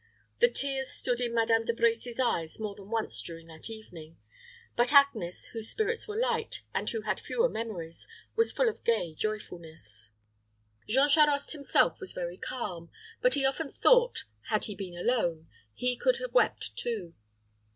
The tears stood in Madame De Brecy's eyes more than once during that evening; but Agnes, whose spirits were light, and who had fewer memories, was full of gay joyfulness. Jean Charost himself was very calm; but he often thought, had he been alone, he could have wept too.